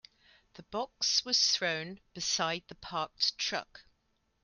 The box was thrown beside the parked truck.